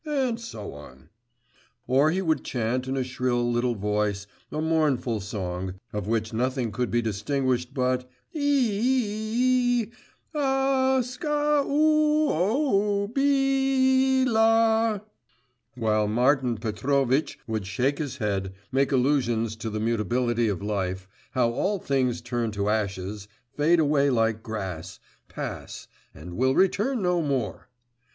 and so on. Or he would chant in a shrill little voice a mournful song, of which nothing could be distinguished but: 'Ee … eee … ee … a … ee … a … ee … Aaa … ska! O … oo … oo … bee … ee … ee … ee … la!' While Martin Petrovitch would shake his head, make allusions to the mutability of life, how all things turn to ashes, fade away like grass, pass and will return no more!